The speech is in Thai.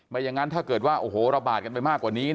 อย่างนั้นถ้าเกิดว่าโอ้โหระบาดกันไปมากกว่านี้